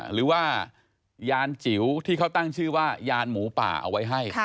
หรือว่ายานจิ๋วที่เขาตั้งชื่อว่ายานหมูป่าเอาไว้ให้